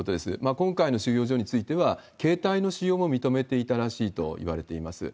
今回の収容所については、携帯の使用も認めていたらしいといわれています。